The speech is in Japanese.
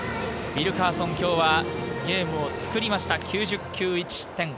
ウィルカーソン、今日はゲームを作りました、９０球１失点。